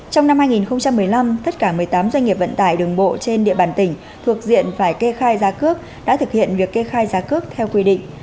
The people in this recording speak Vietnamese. trong năm hai nghìn một mươi năm tất cả một mươi tám doanh nghiệp vận tải đường bộ trên địa bàn tỉnh thuộc diện phải kê khai giá cước đã thực hiện việc kê khai giá cước theo quy định